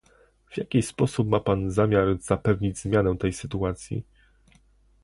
w jaki sposób ma pan zamiar zapewnić zmianę tej sytuacji?